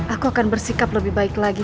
aku akan bersikap lebih baik lagi